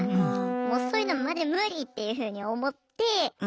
もうそういうのマジ無理っていうふうに思って。